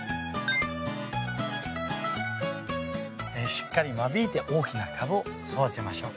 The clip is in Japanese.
しっかり間引いて大きなカブを育てましょう。